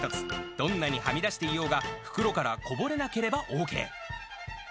どんなにはみ出していようが、袋からこぼれなければＯＫ。